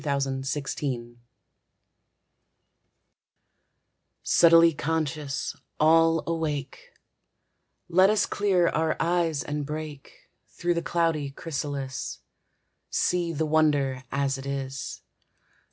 WINTER STORE Subtly conscious, all awake, Let us clear our eyes, and break Through the cloudy chrysalis, See the wonder as it is.